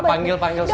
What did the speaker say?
aku baik baik aja